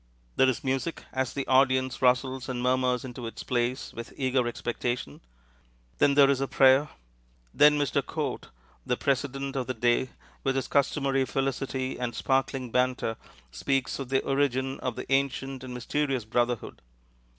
There is music as the audience rustles and murmurs into its place with eager expectation. Then there is a prayer. Then Mr. Choate, the president of the day, with his customary felicity and sparkling banter, speaks of the origin of the ancient and mysterious brotherhood.